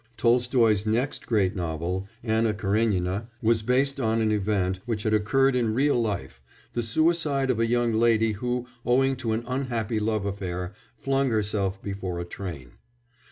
Tolstoy's next great novel, Anna Karénina, was based on an event which had occurred in real life the suicide of a young lady who, owing to an unhappy love affair, flung herself before a train.